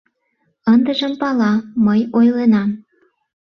Ындыжым пала, мый ойленам.